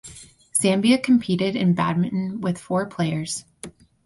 Zambia competed in badminton with four players.